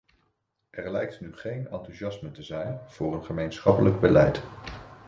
Er lijkt nu geen enthousiasme te zijn voor een gemeenschappelijk beleid.